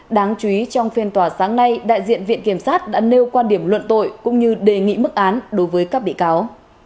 đáng chú ý trong phiên tòa sáng nay đại diện viện kiểm sát đã nêu quan điểm luận tội cũng như đề nghị mức án đối với các bị cáo